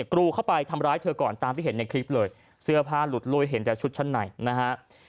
กรูเข้าไปทำร้ายเธอก่อนตามที่เห็นในคลิปเลยเสื้อผ้าหลุดลุ้ยเห็นแต่ชุดชั้นในนะฮะ